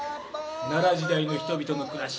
奈良時代の人々の暮らし。